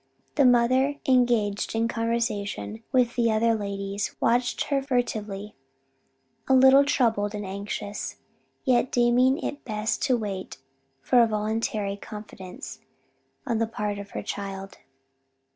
The mother, engaged in conversation with the other ladies, watched her furtively, a little troubled and anxious, yet deeming it best to wait for a voluntary confidence on the part of her child.